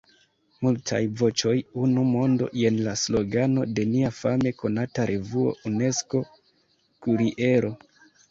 “Multaj voĉoj, unu mondo” – jen la slogano de nia fame konata revuo Unesko-kuriero.